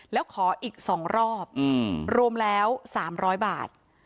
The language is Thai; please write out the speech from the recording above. แล้วขออีก๒รอบรวมแล้ว๓๐๐บาท